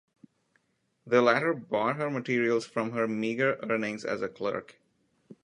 The latter bought her materials from her meager earnings as a clerk.